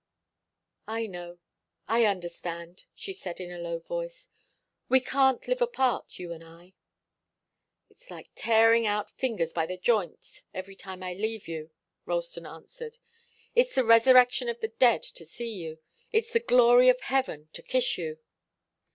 "I know I understand," she said, in a low voice. "We can't live apart, you and I." "It's like tearing out fingers by the joints every time I leave you," Ralston answered. "It's the resurrection of the dead to see you it's the glory of heaven to kiss you."